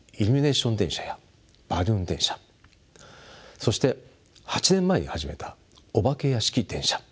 そして８年前に始めたお化け屋敷電車。